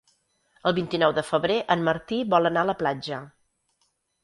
El vint-i-nou de febrer en Martí vol anar a la platja.